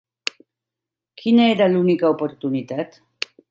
Quina era l'única oportunitat?